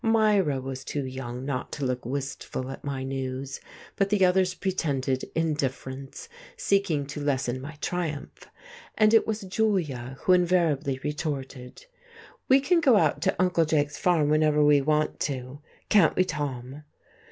Myra was too young not to look wistful at my news, but the others pretended indifference, seeking to lessen my triumph. And it was Julia who invariably retorted "We can go out to Uncle Jake's farm whenever we want to. Can't we, Tom?"...